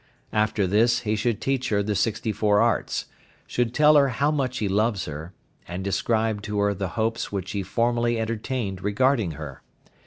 After this he should teach her the sixty four arts, should tell her how much he loves her, and describe to her the hopes which he formerly entertained regarding her.